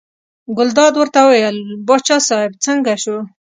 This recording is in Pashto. ګلداد ورته وویل باچا صاحب څنګه شو.